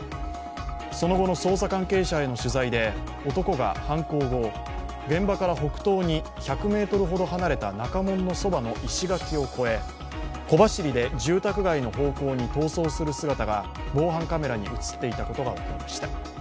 その後の捜査関係者への取材で男が犯行後、現場から北東に１００ｍほど離れた中門のそばの石垣を越え、小走りで住宅街の方向に逃走する姿が防犯カメラに映っていたことが分かりました。